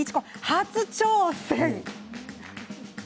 初挑戦。